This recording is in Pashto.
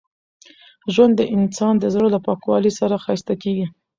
ژوند د انسان د زړه له پاکوالي سره ښایسته کېږي.